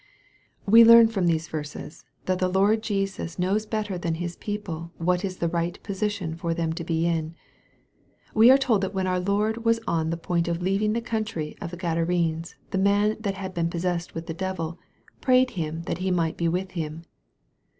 We learn from these verses that the Lord Jesus knows better than His people what is the right position for them, to be in. We are told that when our Lord was on the point of leaving the country of the Gadarenes, the man " that had been possessed with the devil, prayed Him that he might be with Him."